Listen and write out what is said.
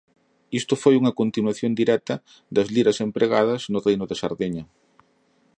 Isto foi unha continuación directa das liras empregadas no Reino de Sardeña.